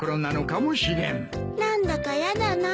何だかやだな。